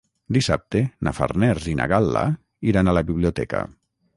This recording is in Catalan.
Dissabte na Farners i na Gal·la iran a la biblioteca.